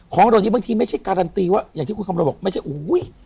ของเหล่านี้บางทีไม่ใช่การันตีว่าอย่างที่คุณคำรณบอกไม่ใช่อุ้ย